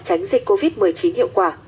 tránh dịch covid một mươi chín hiệu quả